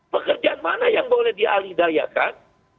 pekerjaan mana yang boleh dialihdayakan